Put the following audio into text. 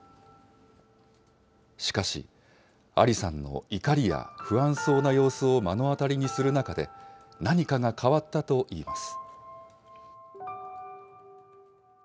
しかし、アリさんの怒りや不安そうな様子を目の当たりにする中で、何かが変わったといいます。